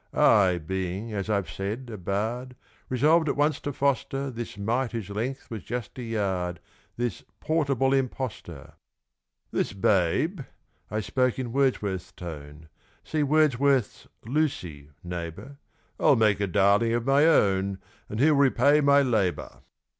I, being, as I've said, a bard, Resolved at once to foster This mite whose length was just a yard This portable impostor! "This babe" I spoke in Wordsworth's tone (See Wordsworth's "Lucy", neighbour) "I'll make a darling of my own; And he'll repay my labour.